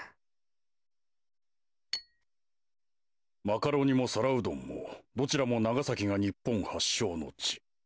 マカロニも皿うどんもどちらも長崎が日本はっしょうの地。